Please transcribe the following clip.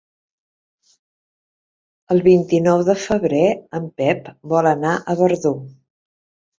El vint-i-nou de febrer en Pep vol anar a Verdú.